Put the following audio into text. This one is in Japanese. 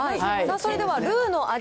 それではルーの味